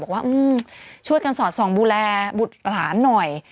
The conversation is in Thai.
บอกว่าช่วยกันสอดส่องดูแลบุตรหลานหน่อย